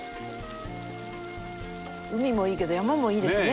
海もいいけど山もいいですね。